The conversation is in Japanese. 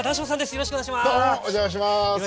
よろしくお願いします。